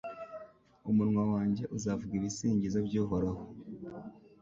Umunwa wanjye uzavuga ibisingizo by’Uhoraho